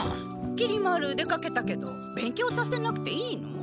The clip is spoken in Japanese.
きり丸出かけたけど勉強させなくていいの？